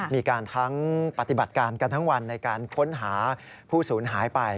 มีการทั้งปฏิบัติการกันทั้งวันในการค้นหาผู้สูญหายไป